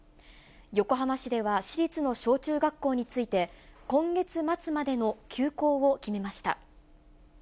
横浜市では、市立の小中学校について、今月末までの休校を決めました。